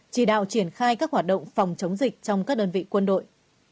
chỉ đạo triển khai các hoạt động phòng chống dịch trong các đơn vị quân đội